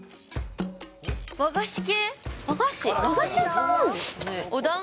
和菓子系？